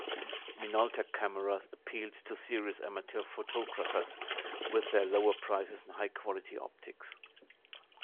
Minolta cameras appealed to serious amateur photographers with their lower prices and high-quality optics.